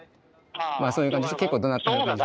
まあそういう感じで結構どなってはる感じで。